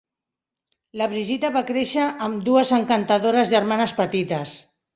La Brigitta va créixer amb dues encantadores germanes petites.